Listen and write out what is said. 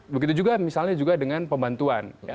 begitu juga misalnya juga dengan pembantuan